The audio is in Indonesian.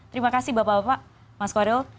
terima kasih bapak bapak mas koriul